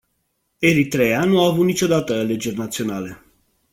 Eritreea nu a avut niciodată alegeri naționale.